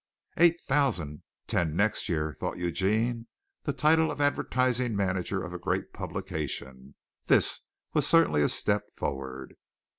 "Eight thousand! Ten next year!" thought Eugene. The title of advertising manager of a great publication! This was certainly a step forward!